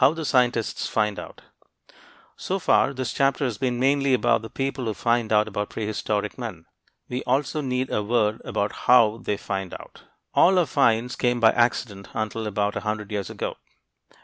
HOW THE SCIENTISTS FIND OUT So far, this chapter has been mainly about the people who find out about prehistoric men. We also need a word about how they find out. All our finds came by accident until about a hundred years ago.